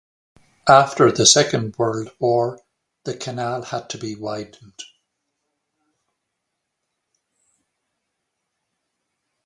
After the Second World War, the canal had to be widened.